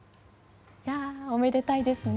おめでたいですね。